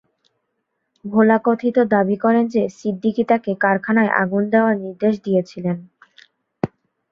ভোলা কথিত দাবি করেন যে সিদ্দিকী তাকে কারখানায় আগুন দেওয়ার নির্দেশ দিয়েছিলেন।